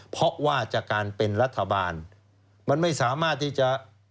เพราะว่าจากการเป็นรัฐบาลมันไม่สามารถที่จะ